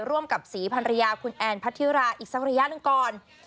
ร่วมกับศรีภรรยาคุณแอนพัทธิราอีกสักระยะหนึ่งก่อน